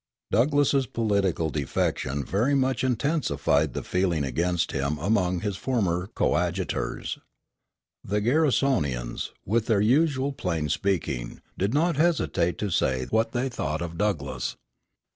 Douglass's political defection very much intensified the feeling against him among his former coadjutors. The Garrisonians, with their usual plain speaking, did not hesitate to say what they thought of Douglass.